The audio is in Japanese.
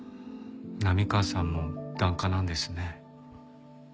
波川さんも檀家なんですね。